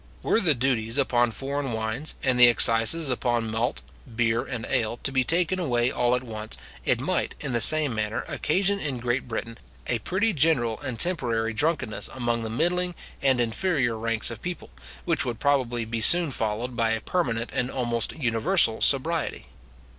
Were the duties upon foreign wines, and the excises upon malt, beer, and ale, to be taken away all at once, it might, in the same manner, occasion in Great Britain a pretty general and temporary drunkenness among the middling and inferior ranks of people, which would probably be soon followed by a permanent and almost universal sobriety.